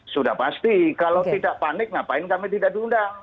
sudah pasti kalau tidak panik ngapain kami tidak diundang